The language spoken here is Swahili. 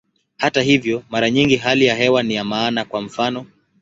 Hata hivyo, mara nyingi hali ya hewa ni ya maana, kwa mfano.